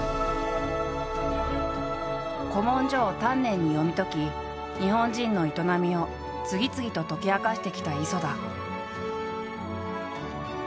古文書を丹念に読み解き日本人の営みを次々と解き明かしてきた磯田。